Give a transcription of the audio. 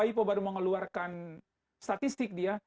aipo baru mengeluarkan statistik dia